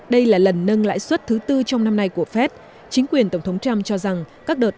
đây là lần nâng lãi suất thứ tư trong năm nay của fed chính quyền tổng thống trump cho rằng các đợt